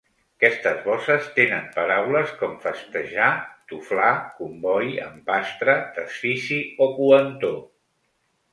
Aquestes bosses tenen paraules com festejar, toflar, comboi, empastre, desfici o coentor.